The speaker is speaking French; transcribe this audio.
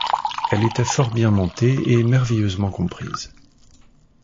elle était fort bien montée et merveilleusement comprise.